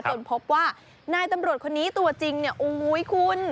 จนพบว่านายตำรวจคนนี้ตัวจริงโอ้โฮคุณ